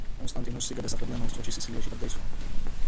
კონსტანტინოსი გადასახლებიდან ოთხ თვეში, სიცილიაში გარდაიცვალა.